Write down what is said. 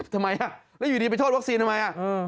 ทำไมแล้วอยู่ดีไปทอดวัคซีนทำไม